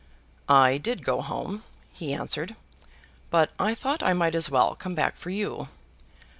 "I did go home," he answered, "but I thought I might as well come back for you."